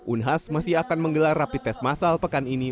unhas masih akan menggelar rapi tes masal pekan ini